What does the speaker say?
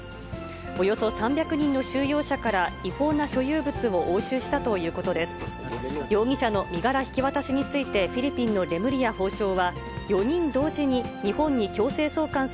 およそ３００人の収容者から違法な所有物を押収したということです。